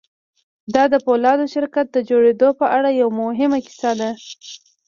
دا د پولادو شرکت د جوړېدو په اړه یوه مهمه کیسه ده